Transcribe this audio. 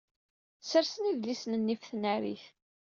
Ssersen idlisen-nni ɣef tnarit.